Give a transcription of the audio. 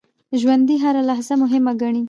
ژوندي هره لحظه مهمه ګڼي